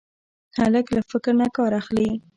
هلک له فکر نه کار اخلي.